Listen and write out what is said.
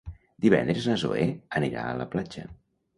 Divendres na Zoè anirà a la platja.